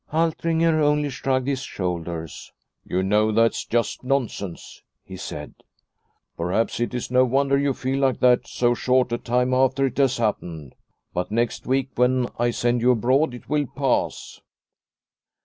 Altringer only shrugged his shoulders. " You know that's just nonsense," he said. " Perhaps it is no wonder you feel like that so short a time after it has happened, but next week when I send you abroad it will pass."